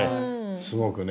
すごくね。